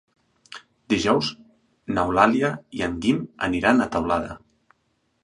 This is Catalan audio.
Dijous n'Eulàlia i en Guim aniran a Teulada.